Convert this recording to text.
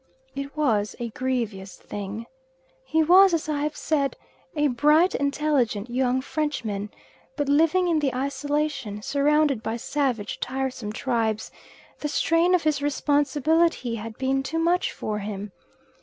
It was a grievous thing. He was, as I have said, a bright, intelligent young Frenchman; but living in the isolation, surrounded by savage, tiresome tribes, the strain of his responsibility had been too much for him.